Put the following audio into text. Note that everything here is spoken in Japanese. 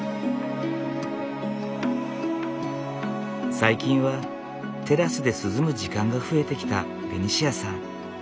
最近はテラスで涼む時間が増えてきたベニシアさん。